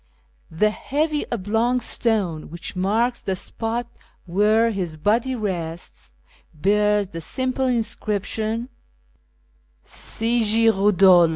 The heavy oblong stone which marks the spot where his body rests bears the simple inscription " CY git rodolfe."